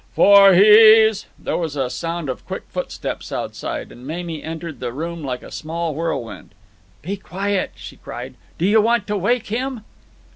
For he's—" There was a sound of quick footsteps outside, and Mamie entered the room like a small whirlwind. "Be quiet!" she cried. "Do you want to wake him?"